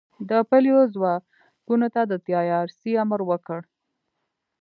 د پلیو ځواکونو ته د تیارسئ امر وکړ.